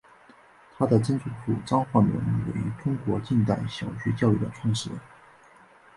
她的曾祖父张焕纶为中国近代小学教育的创始人。